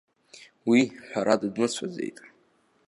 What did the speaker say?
Уи, ҳәарада, дмыцәаӡеит.